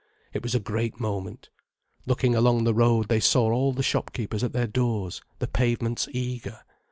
It was a great moment. Looking along the road they saw all the shopkeepers at their doors, the pavements eager.